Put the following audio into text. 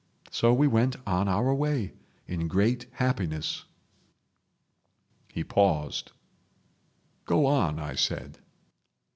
So we went on our way in great happiness ...." He paused. "Go on," I said.